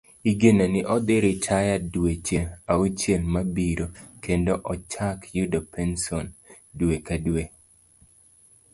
Igeno ni odhi ritaya dweche auchiel mabiro kendo ochak yudo penson dwe ka dwe.